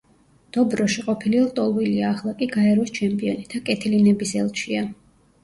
დობროში ყოფილი ლტოლვილია, ახლა კი გაეროს ჩემპიონი და კეთილი ნების ელჩია.